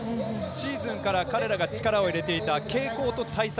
シーズンから彼らが力を入れていた傾向と対策。